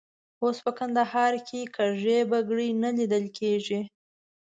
اوس په کندهار کې کږې بګړۍ نه لیدل کېږي.